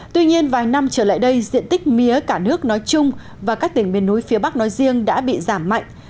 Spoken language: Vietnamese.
tuy nhiên vài năm trở lại đây diện tích mía cả nước nói chung và các tỉnh miền núi phía bắc nói riêng đã bị giảm mạnh